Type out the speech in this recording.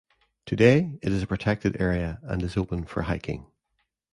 Today, it is a protected area and is open for hiking.